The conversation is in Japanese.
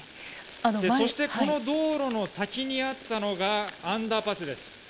そしてこの道路の先にあったのがアンダーパスです。